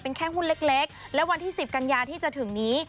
เป็นแค่หุ้นเล็กและวันที่๑๐กันยาที่จะถึงนี้